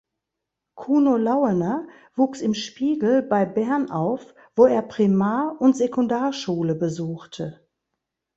Kuno Lauener wuchs im Spiegel bei Bern auf, wo er Primar- und Sekundarschule besuchte.